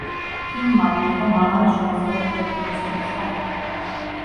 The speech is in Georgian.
ფილმმა მიიღო მაღალი შეფასებები კრიტიკოსებისგან.